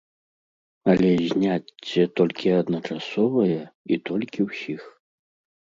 Але зняцце толькі адначасовае і толькі ўсіх.